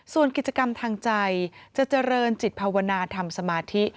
ส่วนกิจกรรมทางใจจะเจริญจิตภาวนาทำสมาธิ